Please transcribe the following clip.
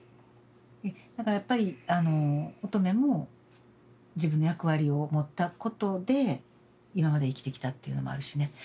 だからやっぱりあの音十愛も自分の役割を持ったことで今まで生きてきたっていうのもあるしね。